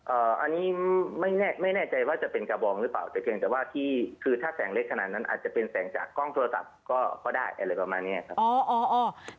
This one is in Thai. อันนี้ไม่แน่ใจว่าจะเป็นกระบองหรือเปล่าแต่เพียงแต่ว่าที่คือถ้าแสงเล็กขนาดนั้นอาจจะเป็นแสงจากกล้องโทรศัพท์ก็ได้อะไรประมาณเนี้ยครับ